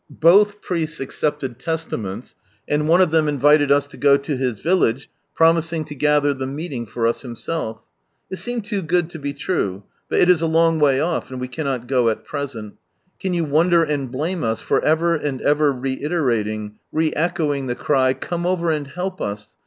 Both priests accepted Testaments, and one of them invited us to go to his village, promising to gather the meeting for us himself. It seemed too good to be true, but it is a long way off, and we cannot go at present. Can you wonder and blame us for ever and ever reiterating, re echoing the. cry "Come over atid help ub!